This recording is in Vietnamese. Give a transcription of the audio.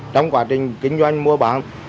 trong quá trình kinh doanh mua bán